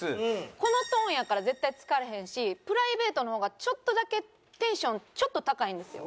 このトーンやから絶対疲れへんしプライベートの方がちょっとだけテンションちょっと高いんですよ。